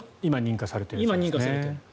今、認可されているのは。